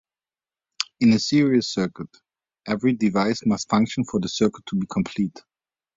In a series circuit, every device must function for the circuit to be complete.